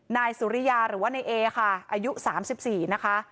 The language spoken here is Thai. นายสุริยาหรือว่านายเอค่ะอายุ๓๔นะคะ